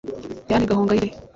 Diane Gahongayire